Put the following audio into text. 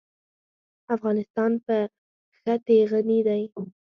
افغانستان په ښتې غني دی.